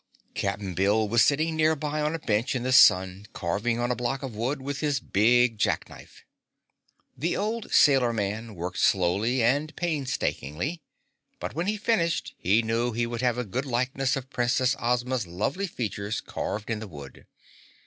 Cap'n Bill was sitting nearby on a bench in the sun, carving on a block of wood with his big jack knife. The old sailor man worked slowly and painstakingly, but when he finished he knew he would have a good likeness of Princess Ozma's lovely features carved in the wood.